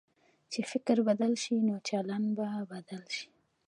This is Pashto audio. که فکر بدل شي، نو چلند به بدل شي.